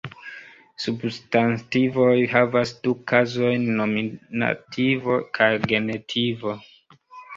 Substantivoj havas du kazojn: nominativo kaj genitivo.